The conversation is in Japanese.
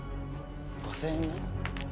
５０００円ね。